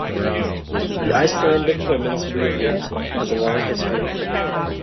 The Icelandic women's movement has a long history.